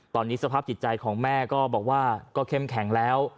ตอนนี้สภาพจิตใจของแม่ก็บอกว่าก็เข้มแข็งแล้ว